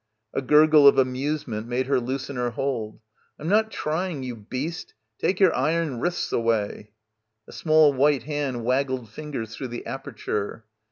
A gurgle of amusement made her loosen her hold. "I'm not trying, you beast. Take your iron wrists away." A small white hand waggled fingers through the aperture.